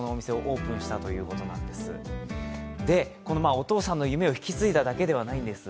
お父さんの夢を引き継いだだけではないんです。